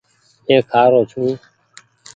مينٚ کهارو ڇوٚنٚ